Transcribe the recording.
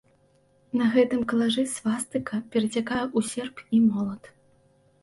На гэтым калажы свастыка перацякае ў серп і молат.